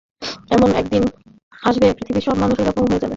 এমন একদিন আসবে, পৃথিবীর সব মানুষ এ-রকম হয়ে যাবে।